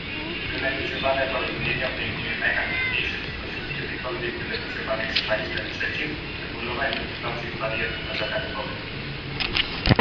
Wynegocjowane porozumienie obejmuje najambitniejsze spośród kiedykolwiek wynegocjowanych z państwem trzecim uregulowań dotyczących barier pozataryfowych